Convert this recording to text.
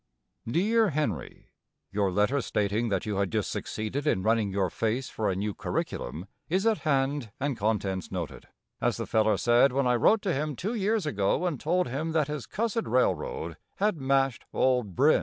DEAR HENRY: Your letter stating that you had just succeeded in running your face for a new curriculum is at hand and contents noted, as the feller said when I wrote to him two years ago and told him that his cussed railroad had mashed old Brin.